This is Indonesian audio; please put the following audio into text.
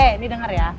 eh nih denger ya